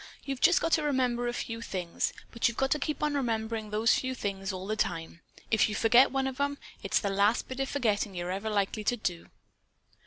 "You've just got to remember a few things. But you've got to keep on remembering those few, all the time. If you forget one of 'em, it's the last bit of forgetting you're ever likely to do."